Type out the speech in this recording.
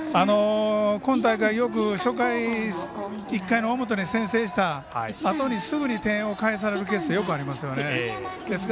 今大会、よく初回１回の表に先制したあとにすぐに点を返されるケースよくありますよね。